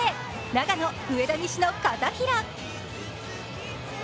長野・上田西の片平。